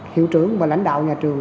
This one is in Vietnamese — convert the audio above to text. hiệu trưởng và lãnh đạo nhà trường